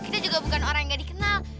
kita juga bukan orang yang gak dikenal